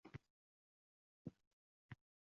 Yozuvchi qalbidan otilib chiqqan